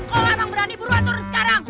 kau lamang berani buruan turun sekarang